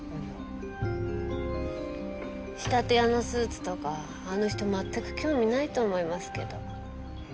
仕立屋のスーツとかあの人全く興味ないと思いますけど。